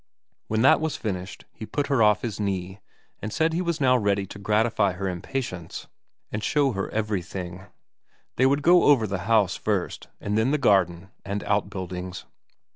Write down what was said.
When that was finished he put her off his knee, and said he was now ready to gratify her impatience and show her everything; they would go over the house first, and then the garden and outbuildings.